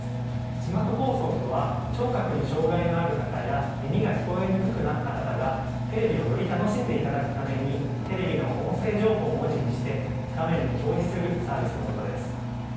字幕放送とは聴覚に障がいのある方や耳が聞こえにくくなった方がテレビをより楽しんでいただくためにテレビの音声情報を文字にして画面に表示するサービスのことです。